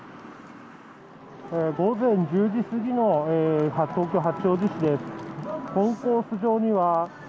午前１０時過ぎの東京・八王子市です。